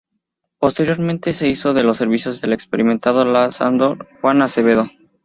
Posteriormente se hizo de los servicios del experimentado Lanzador Juan Acevedo.